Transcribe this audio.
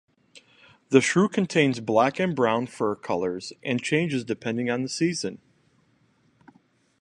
The shrew contains black and brown fur colors and changes depending on the season.